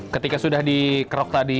ketika sudah di kerok tadi